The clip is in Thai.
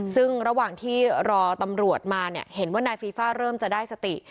ซึ่งระหว่างที่รอตำรวจมาเนี่ยเห็นว่านายฟีฟ่าเริ่มจะได้สติ